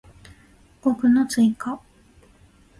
語句の追加